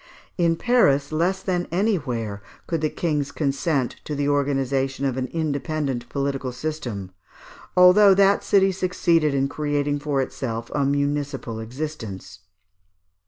] In Paris, less than anywhere, could the kings consent to the organization of an independent political System, although that city succeeded in creating for itself a municipal existence.